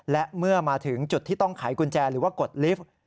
และเมื่อมาถึงจุดที่ต้องไขกุญแจหรือว่ากดลิฟต์